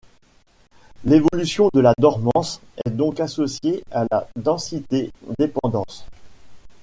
L’évolution de la dormance est donc associée à la densité-dépendance.